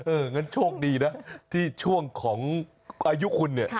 งั้นโชคดีนะที่ช่วงของอายุคุณเนี่ย